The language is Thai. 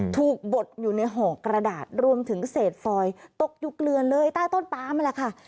บดอยู่ในห่อกระดาษรวมถึงเศษฟอยตกอยู่เกลือเลยใต้ต้นปลานั่นแหละค่ะ